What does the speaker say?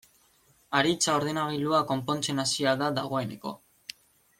Aritza ordenagailua konpontzen hasia da dagoeneko.